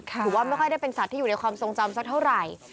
ถือว่าไม่ค่อยได้เป็นสัตว์ที่อยู่ในความทรงจำสักเท่าไหร่